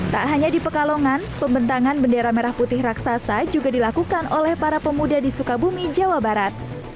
tak hanya di pekalongan pembentangan bendera merah putih raksasa juga dilakukan oleh para pemuda di sukabumi jawa barat